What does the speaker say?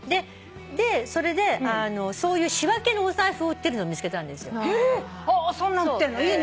それでそういう仕分けのお財布を売ってるのを見つけたんですよ。はそんなん売ってんの？